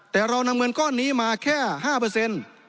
แต่เรานำเงินก้อนนี้มาแค่๕